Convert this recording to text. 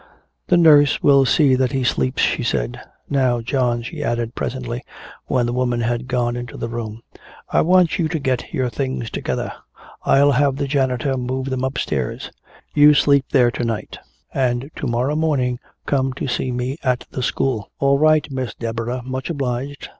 "The nurse will see that he sleeps," she said. "Now, John," she added, presently, when the woman had gone into the room, "I want you to get your things together. I'll have the janitor move them upstairs. You sleep there to night, and to morrow morning come to see me at the school." "All right, Miss Deborah, much obliged.